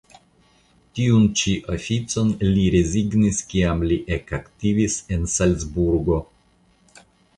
Tiun ĉi oficon li rezignis kiam li ekaktivis en Salcburgo.